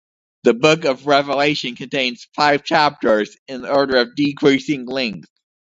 The "Book of Revelation" contains five chapters in order of decreasing length.